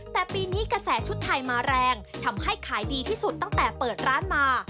แต่ปีนี้กระแสชุดไทยมาแรงทำให้ขายดีที่สุดตั้งแต่เปิดร้านมา